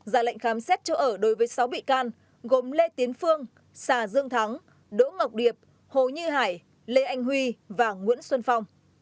già lệnh khám xét chỗ ở đối với sáu bị can gồm lê tiến phương xà dương thắng đỗ ngọc điệp hồ như hải lê anh huy và nguyễn xuân phong